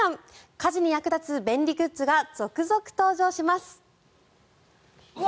家事に役立つ便利グッズが続々登場します。